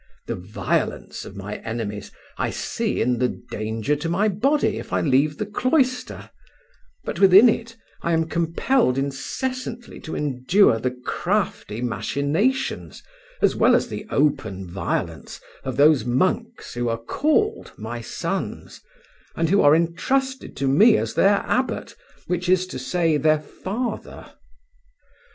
The violence of my enemies I see in the danger to my body if I leave the cloister; but within it I am compelled incessantly to endure the crafty machinations as well as the open violence of those monks who are called my sons, and who are entrusted to me as their abbot, which is to say their father.